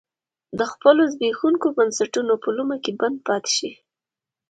د خپلو زبېښونکو بنسټونو په لومه کې بند پاتې شي.